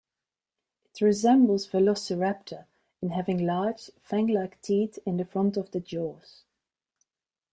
It resembles "Velociraptor" in having large, fanglike teeth in the front of the jaws.